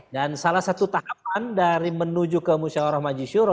dan salah satu tahapan dari menuju ke musyawarah majiswara